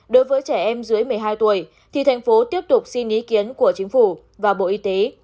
đối với trẻ em dưới một mươi hai tuổi thì thành phố tiếp tục xin ý kiến của chính phủ và bộ y tế